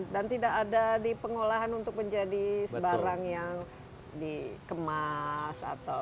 dan tidak ada di pengolahan untuk menjadi sebarang yang dikemas atau